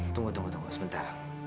tunggu tunggu tunggu sebentar